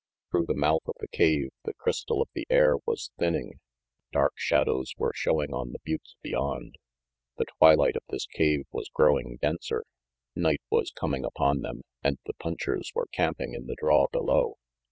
Through the mouth of the cave, the crystal of the air was thinning. Dark shadows were showing on the buttes beyond. The twilight of this cave was growing denser. Night was coming upon them, and the punchers were camping in the draw below.